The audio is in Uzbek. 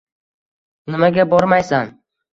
Nimaga bormaysan